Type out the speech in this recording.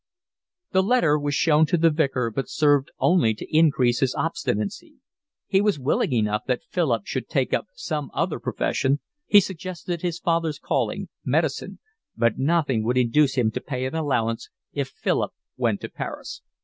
The letter was shown to the Vicar, but served only to increase his obstinacy. He was willing enough that Philip should take up some other profession, he suggested his father's calling, medicine, but nothing would induce him to pay an allowance if Philip went to Paris.